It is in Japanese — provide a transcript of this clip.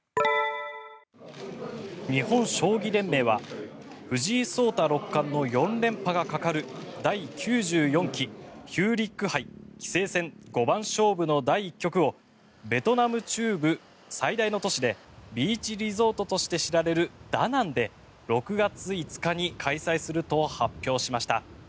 日本将棋連盟は藤井聡太六冠の４連覇がかかる第９４期ヒューリック杯棋聖戦五番勝負の第１局をベトナム中部最大の都市でビーチリゾートとして知られるダナンで６月５日に開催すると発表しました。